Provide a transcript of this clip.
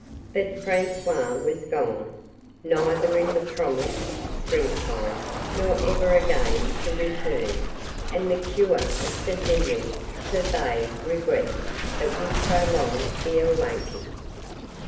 But François was gone; neither in the promised springtime nor ever again to return, and the cure of St. Henri forbade regrets that would prolong the awaiting.